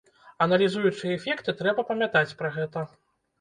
Аналізуючы эфекты, трэба памятаць пра гэта.